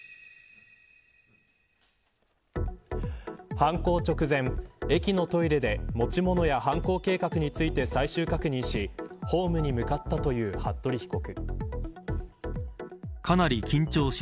犯行直前、駅のトイレで持ち物や犯行計画について最終確認しホームに向かったという服部被告。